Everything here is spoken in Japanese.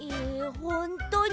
ほんとに？